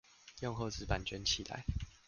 用厚紙板捲起來